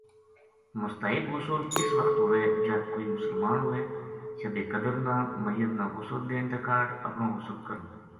مستحب غسل اس وخت ہووئے جد کوئی مسلمان ہووے، شب قدر نا، میت نا غسل دین تے کاہڈ اپنو غسل کرنو۔